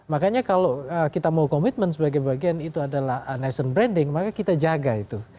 makanya kalau kita mau komitmen sebagai bagian itu adalah nation branding maka kita jaga itu